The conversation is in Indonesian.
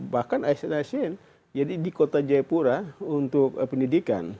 bahkan asn asn di kota jaipura untuk pendidikan